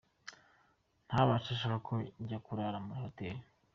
Ntaba ashaka ko njya kurara muri hoteli.